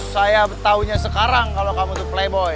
saya tahunya sekarang kalau kamu tuh playboy